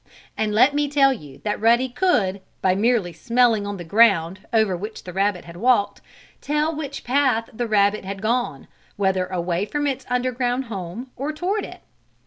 And let me tell you that Ruddy could, by merely smelling on the ground, over which the rabbit had walked, tell which path the rabbit had gone, whether away from its underground home or toward it.